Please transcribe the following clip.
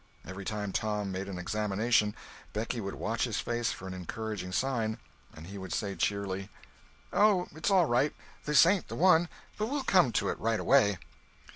Every time Tom made an examination, Becky would watch his face for an encouraging sign, and he would say cheerily: "Oh, it's all right. This ain't the one, but we'll come to it right away!"